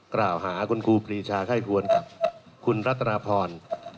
กล่าวหาคุณครูปรีชาไข้ควรกับคุณรัตนาพร